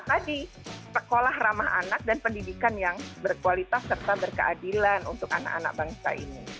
tadi sekolah ramah anak dan pendidikan yang berkualitas serta berkeadilan untuk anak anak bangsa ini